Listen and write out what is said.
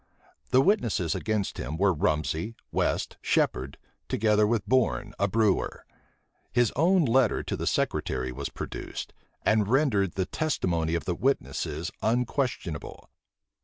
The witnesses against him were Rumsey, West, Shephard, together with Bourne, a brewer. His own letter to the secretary was produced, and rendered the testimony of the witnesses unquestionable.